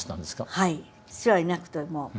はい父はいなくても。